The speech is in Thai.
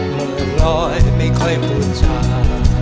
หมู่น้อยไม่ค่อยบูชา